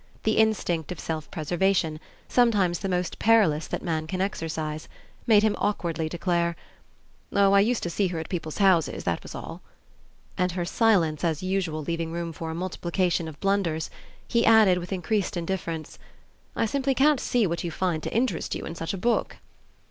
The instinct of self preservation sometimes the most perilous that man can exercise made him awkwardly declare "Oh, I used to see her at people's houses, that was all;" and her silence as usual leaving room for a multiplication of blunders, he added, with increased indifference, "I simply can't see what you can find to interest you in such a book."